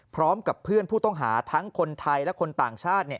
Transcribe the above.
พร้อมกับเพื่อนผู้ต้องหาทั้งคนไทยและคนต่างชาติ